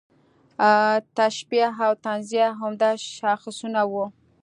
تشبیه او تنزیه عمده شاخصونه وو.